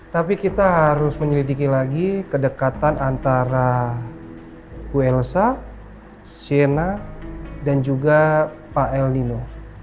tapi kita harus menyelidiki lagi kedekatan antara bu elsa shienna dan juga pak el nino